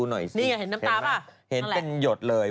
เห็นเป็นหยดเลย